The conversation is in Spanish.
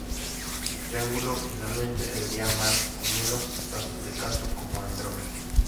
Triángulo, finalmente, se vería más o menos tan de canto cómo Andrómeda.